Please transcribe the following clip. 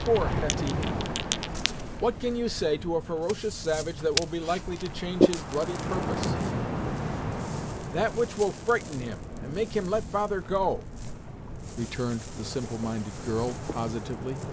"Poor Hetty! What can you say to a ferocious savage that will be likely to change his bloody purpose!" "That which will frighten him, and make him let father go " returned the simple minded girl, positively.